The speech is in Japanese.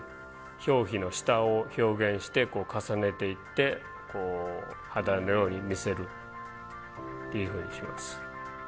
表皮の下を表現して重ねていってこう肌のように見せるっていうふうにします。